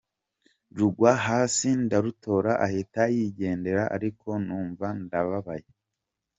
rugwa hasi ndarutora ahita yigendera ariko numva ndababaye.